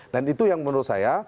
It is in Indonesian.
dan itu yang menurut saya